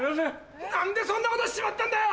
何でそんなことしちまったんだよ！